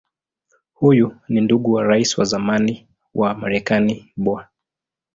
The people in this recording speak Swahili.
Huyu ni ndugu wa Rais wa zamani wa Marekani Bw.